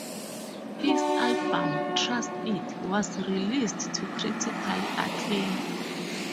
His album "Trust It" was released to critical acclaim.